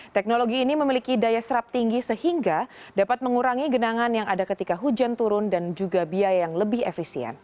teknologi ini memiliki daya serap tinggi sehingga dapat mengurangi genangan yang ada ketika hujan turun dan juga biaya yang lebih efisien